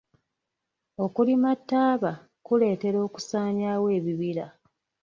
Okulima taaba kuleetera okusanyaawo ebibira.